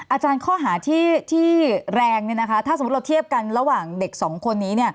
อาจารย์ข้อหาที่แรงถ้าสมมุติเราเทียบกันระหว่างเด็กสองคนนี้